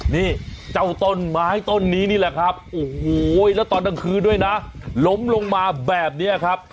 นี่เจ้าต้นไม้ต้นนี้นี่แหละครับโอ้โหแล้วตอนกลางคืนด้วยนะล้มลงมาแบบนี้ครับ